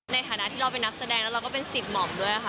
ในฐานะที่เราเป็นนักแสดงแล้วเราก็เป็นสิบหม่อมด้วยค่ะ